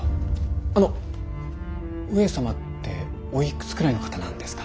あの上様っておいくつくらいの方なんですか？